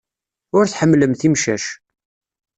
Ur tḥemmlemt imcac.